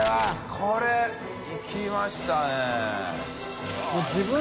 海いきましたね。